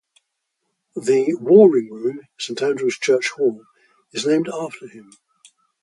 The "Waring Room", Saint Andrew's church hall, is named after him.